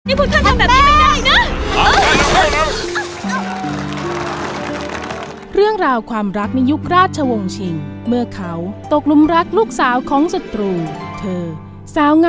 นี่พวกท่านทำแบบนี้ไม่ได้นะ